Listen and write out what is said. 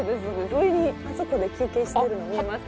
上にあそこで休憩してるの見えますか？